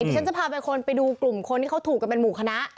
ฉันจะพาไปคนไปดูกลุ่มคนที่เขาถูกกันเป็นหมู่คณะ